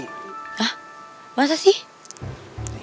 hah masa sih